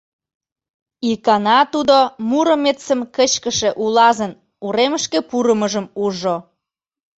Икана тудо Муромецым кычкыше улазын уремышке пурымыжым ужо.